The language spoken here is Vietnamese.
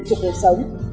cho cuộc sống